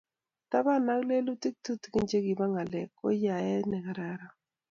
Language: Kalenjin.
taban ak lelutik tutikin chebo ng'alek, ko yaet nekararan